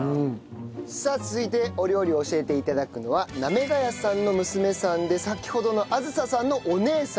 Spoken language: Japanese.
さあ続いてお料理を教えて頂くのは行谷さんの娘さんで先ほどの梓さんのお姉さん好未さんです。